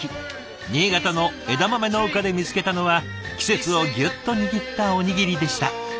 新潟の枝豆農家で見つけたのは季節をギュッと握ったおにぎりでした。